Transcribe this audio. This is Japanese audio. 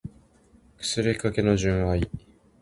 腐りかけの純愛